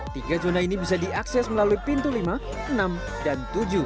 tiga zona ini bisa diakses melalui pintu lima enam dan tujuh